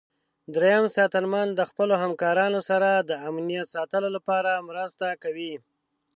دریم ساتنمن د خپلو همکارانو سره د امنیت ساتلو لپاره مرسته کوي.